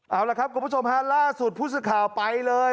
เอาล่ะครับกลุ่มผู้ชมฮะล่าสุดพุทธสุดข่าวไปเลย